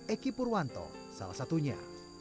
ekipurwanto salah satunya